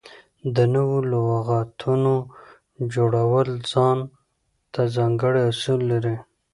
د نوو لغاتونو جوړول ځان ته ځانګړي اصول لري.